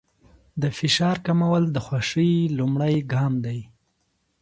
د فشار کمول د خوښۍ لومړی ګام دی.